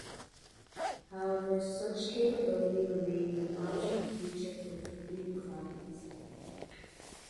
However, such capability remains an optional feature for fleet clients.